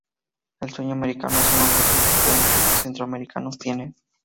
El sueño americano es un objetivo que muchos centroamericanos tienen.